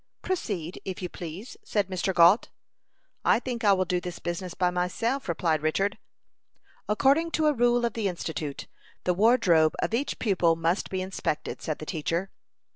"Proceed, if you please," said Mr. Gault. "I think I will do this business by myself," replied Richard. "According to a rule of the Institute, the wardrobe of each pupil must be inspected," said the teacher.